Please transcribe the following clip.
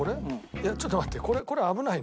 いやちょっと待って。